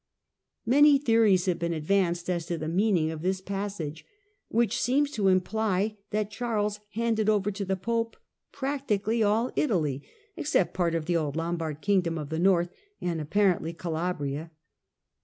vMany theories have been advanced as to the meaning of this passage, which seems to imply that Charles handed over to the Pope practically all Italy except part of the old Lombard kingdom of the North, and, ap parently, Calabria.